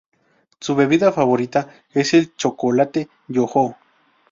Su bebida favorita es el chocolate Yoo-Hoo.